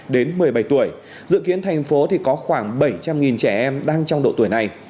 đến một mươi bảy tuổi dự kiến thành phố có khoảng bảy trăm linh trẻ em đang trong độ tuổi này